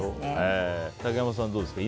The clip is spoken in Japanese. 竹山さん、どうですか？